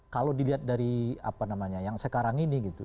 kalau dilihat dari apa namanya yang sekarang ini gitu